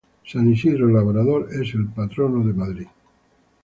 San Isidro Labrador es el patrono de Madrid.